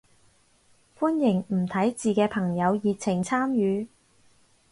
歡迎唔睇字嘅朋友熱情參與